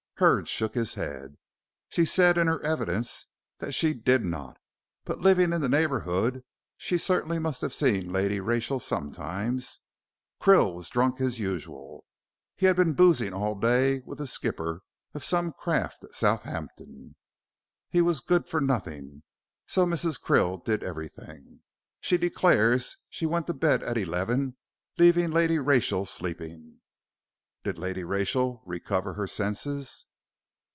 Hurd shook his head. "She said in her evidence that she did not, but living in the neighborhood, she certainly must have seen Lady Rachel sometimes. Krill was drunk as usual. He had been boozing all the day with a skipper of some craft at Southampton. He was good for nothing, so Mrs. Krill did everything. She declares that she went to bed at eleven leaving Lady Rachel sleeping." "Did Lady Rachel recover her senses?"